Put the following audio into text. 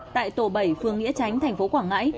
tại tổ bảy phương nghĩa tránh tp quảng ngãi